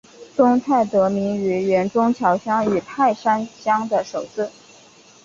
中泰得名于原中桥乡与泰山乡的首字。